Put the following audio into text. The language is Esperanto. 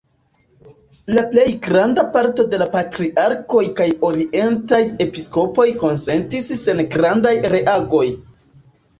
La plej granda parto de la patriarkoj kaj orientaj episkopoj konsentis sen grandaj reagoj.